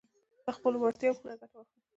له خپلو وړتیاوو پوره ګټه واخلئ.